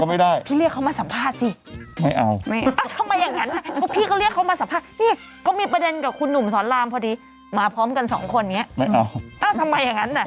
โควิดดังนั้นอาจจะมาลำบากนิดหนึ่ง